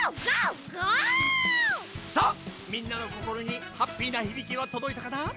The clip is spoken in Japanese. さあみんなのこころにハッピーなひびきはとどいたかな？